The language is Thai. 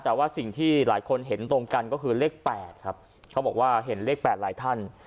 แต่ว่าสิ่งที่หลายคนเห็นตรงกันก็คือเลข๘ครับเขาบอกว่าเห็นเลข๘หลายท่าน